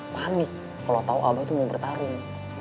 panik kalau tau abah itu mau bertarung